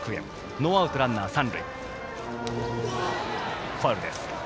ノーアウトランナー、三塁。